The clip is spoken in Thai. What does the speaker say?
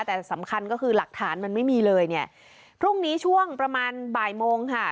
แต่สำคัญก็คือหลักฐานมันไม่มีเลยเนี่ยพรุ่งนี้ช่วงประมาณบ่ายโมงค่ะ